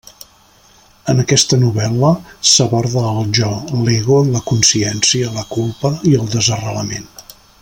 En aquesta novel·la, s'aborda el jo, l'ego, la consciència, la culpa i el desarrelament.